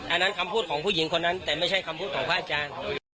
อันนั้นคำพูดของผู้หญิงคนนั้นแต่ไม่ใช่คำพูดของพระอาจารย์